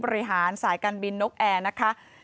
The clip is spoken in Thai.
บริหารสายการบินนกแอร์นะคะ